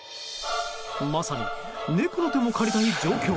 まさに猫の手も借りたい状況。